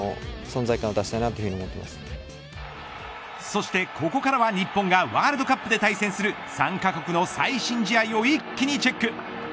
そしてここからは日本がワールドカップで対戦する３カ国の最新試合を一気にチェック。